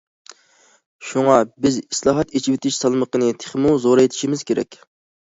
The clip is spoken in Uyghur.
شۇڭا بىز ئىسلاھات، ئېچىۋېتىش سالمىقىنى تېخىمۇ زورايتىشىمىز كېرەك.